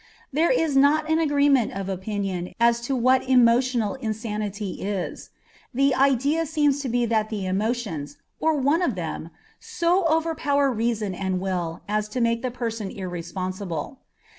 There is not an agreement of opinion as to what emotional insanity is; the idea seems to be that the emotions, or one of them, so overpower reason and will as to make the person irresponsible.